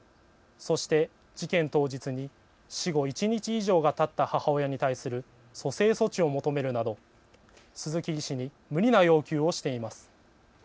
そして事件当日に死後１日以上がたった母親に対する蘇生措置を求めるなど鈴木医師に無理な要求をしています。